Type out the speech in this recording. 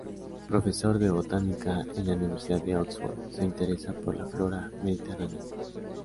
Profesor de botánica en la Universidad de Oxford, se interesa por la flora mediterránea.